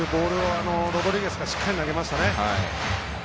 ロドリゲスがしっかりと投げましたね。